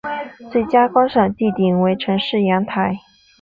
最佳观赏地点为城市阳台。